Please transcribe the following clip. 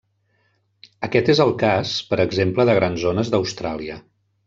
Aquest és el cas, per exemple de grans zones d'Austràlia.